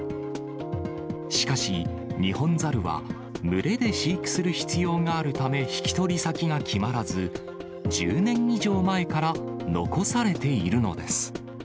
しかし、ニホンザルは群れで飼育する必要があるため、引き取り先が決まらず、１０年以上前から残されているのです。